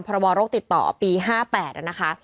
ประวัติโรคติดต่อปี๕๘แล้วนะคะ